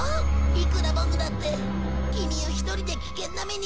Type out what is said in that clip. いくらボクだってキミを一人で危険な目に遭わせるわけには。